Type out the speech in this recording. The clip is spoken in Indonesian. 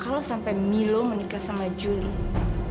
kalau sampai milo menikah sama julie